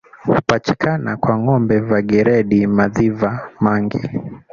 Hupachikana kwa ng'ombe va giredi madhiva mangi